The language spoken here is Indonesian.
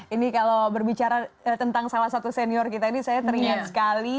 ini kalau berbicara tentang salah satu senior kita ini saya teringat sekali